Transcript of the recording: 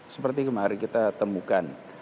seperti kemarin kita temukan